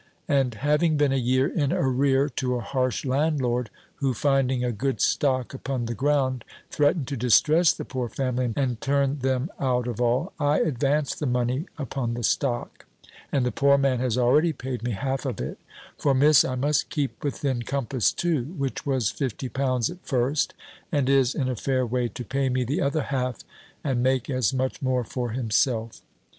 And having been a year in arrear to a harsh landlord, who, finding a good stock upon the ground, threatened to distress the poor family, and turn them out of all, I advanced the money upon the stock; and the poor man has already paid me half of it (for, Miss, I must keep within compass too), which was fifty pounds at first, and is in a fair way to pay me the other half, and make as much more for himself.